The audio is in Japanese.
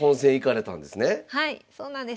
はいそうなんです。